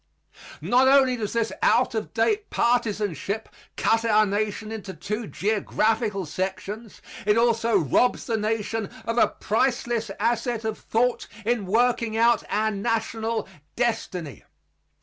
Not only does this out of date partisanship cut our Nation into two geographical sections; it also robs the Nation of a priceless asset of thought in working out our national destiny.